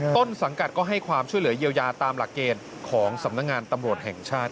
ต้นสังกัดก็ให้ความช่วยเหลือเยียวยาตามหลักเกณฑ์ของสำนักงานตำรวจแห่งชาติ